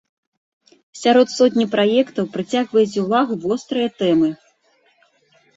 Сярод сотні праектаў прыцягваюць увагу вострыя тэмы.